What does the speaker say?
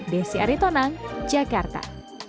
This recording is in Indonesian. desi aritonang jakarta